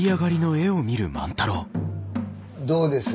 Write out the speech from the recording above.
どうです？